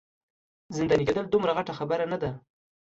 زنداني کیدل دومره غټه خبره نه ده.